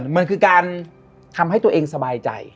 มันคือการทำให้ตัวเองสบายใจ